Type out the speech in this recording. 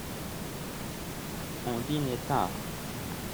on dînait tard.